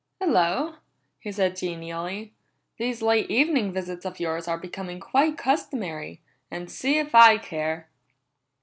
"Hello," he said genially. "These late evening visits of yours are becoming quite customary and see if I care!"